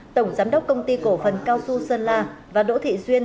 tổng giám đốc công ty cổ phần cao xu sơn la và đỗ thị duyên